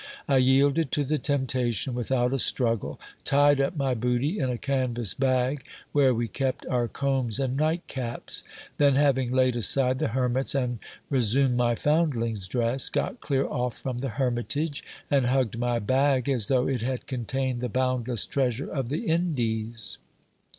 I yielded to the temptation without a struggle ; tied up my booty in a canvas bag where we kept our combs and night caps : then, having laid aside the hermit's and resumed my foundling's dress, got clear off from the hermitage, and hugged my bag as though it had contained the boundless treasure of the Indies.